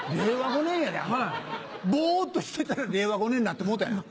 ぼっとしてたら令和５年になってもうたやん。